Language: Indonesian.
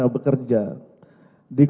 karena cerjaan kita